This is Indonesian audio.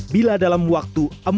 bila dalam wakilnya